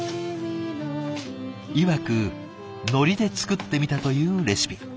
いわくノリで作ってみたというレシピ。